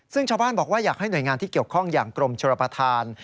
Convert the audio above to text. ซึ่งชาวบ้านบอกว่าอยากให้หน่วยงานที่เกี่ยวข้องอย่างกรมชนประธาน